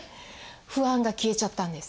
不安が消えちゃったんです。